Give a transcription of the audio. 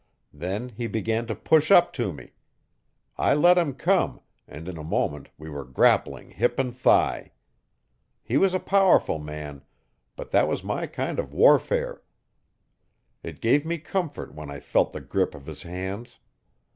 Then he began to push up to me. I let him come, and in a moment we were grappling hip and thigh. He was a powerful man, but that was my kind of warfare. It gave me comfort when I felt the grip of his hands.